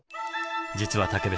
実は武部さん